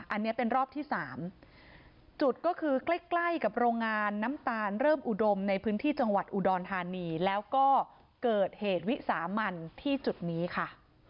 อันนี้เป็นรอบที่สามจุดก็คือใกล้ใกล้กับโรงงานน้ำตาลเริ่มอุดมในพื้นที่จังหวัดอุดรธานีแล้วก็เกิดเหตุวิสามันที่จุดนี้ค่ะ